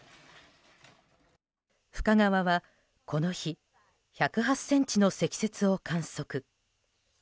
深川は、この日１０８ｃｍの積雪を観測。